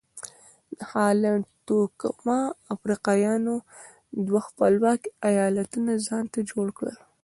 د هالنډ توکمه افریقایانو دوه خپلواک ایالتونه ځانته جوړ کړل.